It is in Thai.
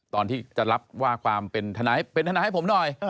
ตอนที่จะรับว่าความเป็นทนายให้ผมหน่อย